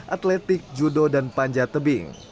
atletik judo dan panja tebing